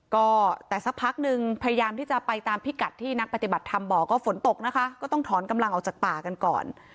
ก็แต่สักพักนึงพยายามที่จะไปตามพิกัดที่นักปฏิบัติธรรมบอกก็ฝนตกนะคะก็ต้องถอนกำลังออกจากป่ากันก่อน